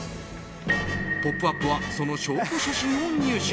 「ポップＵＰ！」はその証拠写真を入手。